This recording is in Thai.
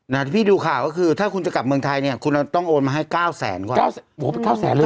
อ่าฮะที่พี่ดูข่าวก็คือถ้าคุณจะกลับเมืองไทยเนี่ยคุณต้องโอนมาให้๙แสนกว่า